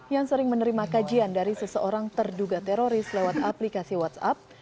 yang sering menerima kajian dari seseorang terduga teroris lewat aplikasi whatsapp